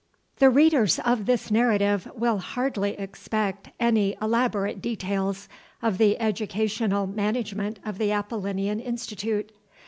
The readers of this narrative will hardly expect any elaborate details of the educational management of the Apollinean Institute.